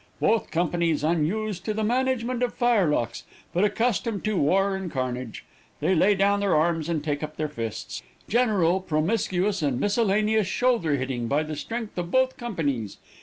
Both companies unused to the management of firelocks, but accustomed to war and carnage. They lay down their arms and take up their fists. General, promiscuous, and miscellaneous shoulder hitting by the strength of both companies.